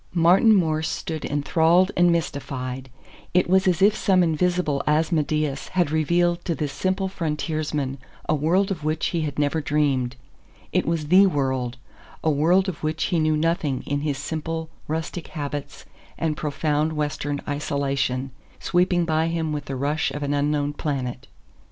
Martin Morse stood enthralled and mystified. It was as if some invisible Asmodeus had revealed to this simple frontiersman a world of which he had never dreamed. It was THE world a world of which he knew nothing in his simple, rustic habits and profound Western isolation sweeping by him with the rush of an unknown planet.